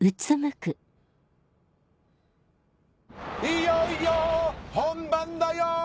・いよいよ本番だよ！